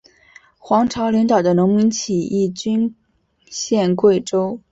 黄巢领导的农民起义军陷桂州。